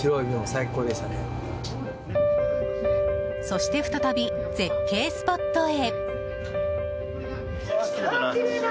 そして再び絶景スポットへ。